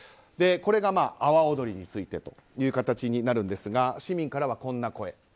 これが阿波おどりについてという形になるんですが市民からはこんな声。